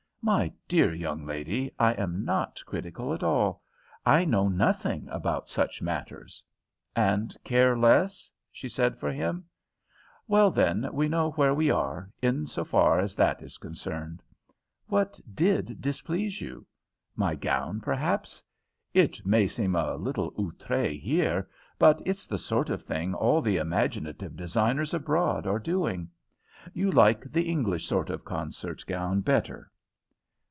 "My dear young lady, I am not critical at all. I know nothing about 'such matters.'" "And care less?" she said for him, "Well, then we know where we are, in so far as that is concerned. What did displease you? My gown, perhaps? It may seem a little outré here, but it's the sort of thing all the imaginative designers abroad are doing. You like the English sort of concert gown better?"